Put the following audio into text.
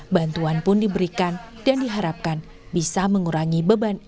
bantuan pun diberikan dan diharapkan bisa mengurangi beban